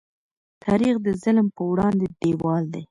تاریخ د ظلم په وړاندې دیوال دی.